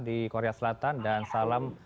di korea selatan dan salam